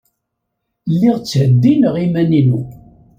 Lliɣ ttheddineɣ iman-inu.